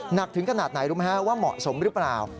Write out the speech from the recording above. หนักถึงขนาดไหนรู้ไหมฮะว่าเหมาะสมหรือเปล่า